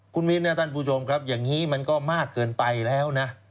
คุณมิ้นนะท่านผู้ชมครับอย่างนี้มันก็มากเกินไปแล้วนะ